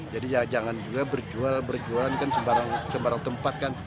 jadi jangan juga berjual berjualan kan sembarang tempat kan